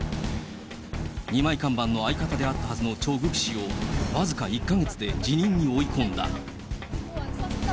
二枚看板の相方であったはずのチョ・グク氏を僅か１か月で辞任に追い込んだ。